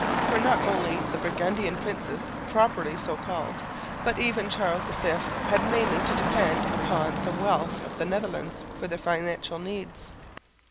For not only the Burgundian princes properly so called, but even Charles V, had mainly to depend upon the wealth of the Netherlands for their financial needs.